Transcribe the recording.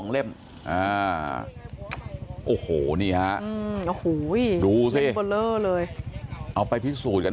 เล่มโอ้โหนี่ฮะโอ้โหดูสิเบอร์เลอร์เลยเอาไปพิสูจน์กัน